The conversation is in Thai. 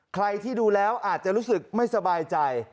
ใครที่ดูแล้วอาจจะรู้สึกไม่สบายใจ